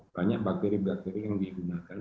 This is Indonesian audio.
banyak bakteri bakteri yang digunakan